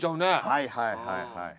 はいはいはいはい。